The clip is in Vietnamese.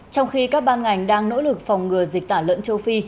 trong khi các ban ngành đang nỗ lực phòng ngừa dịch tả lợn châu phi